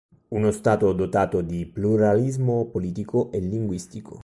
Uno Stato dotato di pluralismo politico e linguistico.